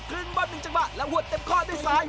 ขึ้นบอลมิงจากบรรแล้วหัวเต็มก้อนด้วยสาย